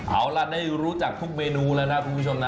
เอาล่ะได้รู้จักทุกเมนูแล้วนะคุณผู้ชมนะ